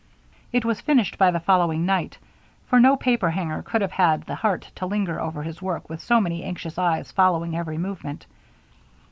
It was finished by the following night, for no paperhanger could have had the heart to linger over his work with so many anxious eyes following every movement.